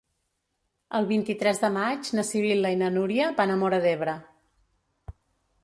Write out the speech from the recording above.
El vint-i-tres de maig na Sibil·la i na Núria van a Móra d'Ebre.